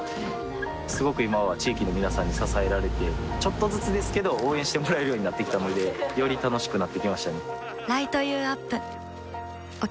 すごく今は地域の皆さんに支えられてちょっとずつですけど応援してもらえるようになってきたのでより楽しくなってきましたね